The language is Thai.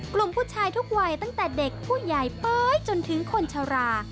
กลุ่มผู้ชายทุกวัยตั้งแต่เด็กผู้ใหญ่เป๊ยจนถึงคนชรา